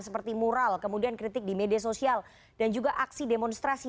seperti mural kemudian kritik di media sosial dan juga aksi demonstrasi